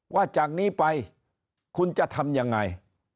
ว่าจากนี้ไปคุณจะทำยังไง